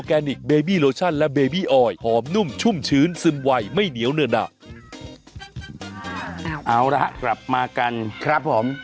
เอาละครับกลับมากันครับผม